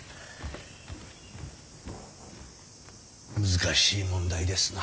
難しい問題ですな。